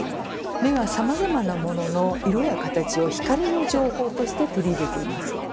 目はさまざまなモノの色や形を「光の情報」として取り入れています。